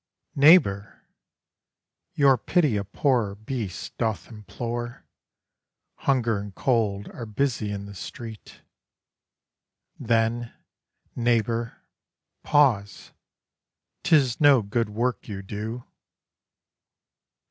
Neighbour! your pity a poor beast doth implore; Hunger and cold are busy in the street. Then, neighbour! pause; 'tis no good work you do.